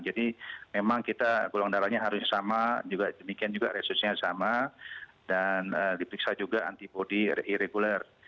jadi memang kita golongan darahnya harus sama demikian juga resursinya sama dan dipiksa juga antibody irreguler